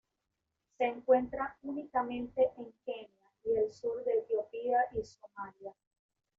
Se encuentra únicamente en Kenia, y el sur de Etiopía y Somalia.